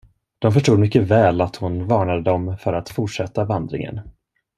De förstod mycket väl, att hon varnade dem för att fortsätta vandringen.